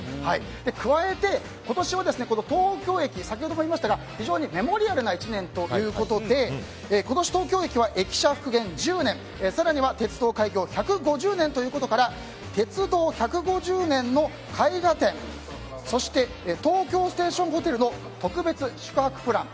加えて、今年は東京駅先ほども言いましたが、非常にメモリアルな１年ということで今年、東京駅は駅舎復元１０年更には鉄道開業１５０年ということですから鉄道１５０年の絵画展そして東京ステーションホテルの特別宿泊プラン